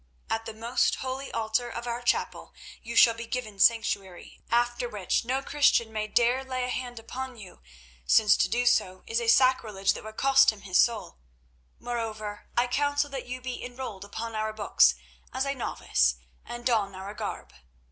At the most holy altar of our chapel you shall be given sanctuary, after which no Christian man dare lay a hand upon you, since to do so is a sacrilege that would cost him his soul. Moreover, I counsel that you be enrolled upon our books as a novice, and don our garb.